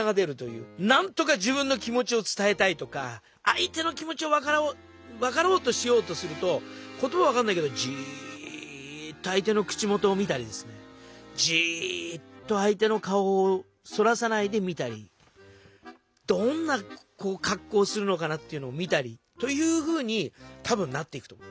なんとか自分の気持ちを伝えたいとかあい手の気持ちを分かろうとしようとすると言葉は分かんないけどジーッとあい手の口元を見たりですねジーッとあい手の顔をそらさないで見たりどんなかっこうをするのかなっていうのを見たりというふうにたぶんなっていくと思う。